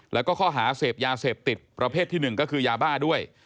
แล้วก็ข้อหาเสพยาเสพติดประเภทที่๑ก็คือยาบ้าด้วย